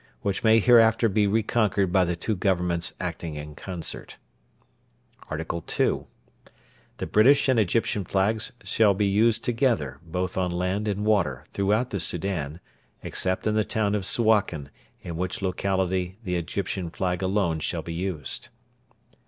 Which may hereafter be reconquered by the two Governments acting in concert. ART. II. The British and Egyptian flags shall be used together, both on land and water, throughout the Soudan, except in the town of Suakin, in which locality the Egyptian flag alone shall be used.